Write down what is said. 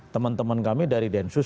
temen temen kami dari densus